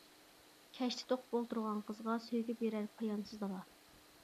كەشتە توقۇپ ئولتۇرغان قىزغا، سۆيگۈ بېرەر پايانسىز دالا.